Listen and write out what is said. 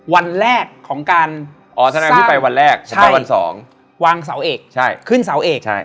วันแรกของการสร้างวางเสาเอกขึ้นเสาเอก